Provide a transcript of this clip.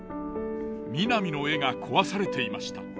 みなみの絵が壊されていました。